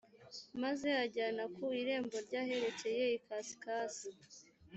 maze anjyana ku irembo ry aherekeye ikasikazi